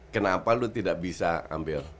kenapa lu tidak bisa ambil